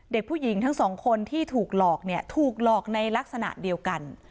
เด็กผู้หญิงทั้งสองคนที่ถูกหลอกเนี่ยถูกหลอกในลักษณะเดียวกัน